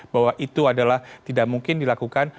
bahwa itu adalah tidak mungkin dilakukan